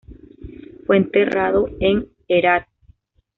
Fue enterrado en Herat.